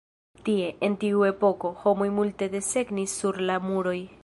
Tie, en tiu epoko, homoj multe desegnis sur la muroj.